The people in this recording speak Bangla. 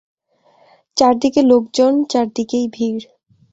চারিদিকে লােক জন, চারিদিকেই ভিড়।